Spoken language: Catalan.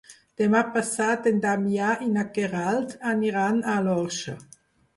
Demà passat en Damià i na Queralt aniran a l'Orxa.